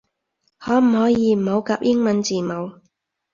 可唔可以唔好夾英文字母